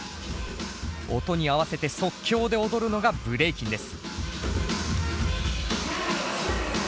音に合わせて即興で踊るのがブレイキンです。